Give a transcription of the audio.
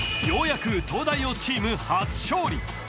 ようやく東大王チーム初勝利